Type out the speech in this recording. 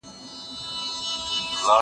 دا تمرين له هغه ګټور دي.